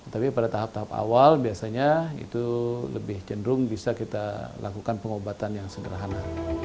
tapi pada tahap tahap awal biasanya itu lebih cenderung bisa kita lakukan pengobatan yang sederhana